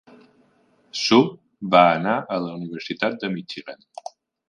Hsu va anar a la Universitat de Michigan.